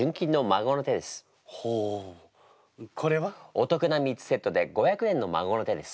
お得な３つセットで５００円の孫の手です。